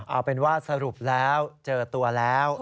เอาเป็นว่าสรุปแล้วเจอตัวแล้ว